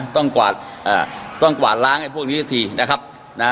ต้องกวาดเอ่อต้องกวาดล้างไอ้พวกนี้เสียทีนะครับนะ